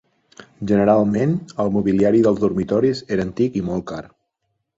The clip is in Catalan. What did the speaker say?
Generalment, el mobiliari dels dormitoris era antic i molt car.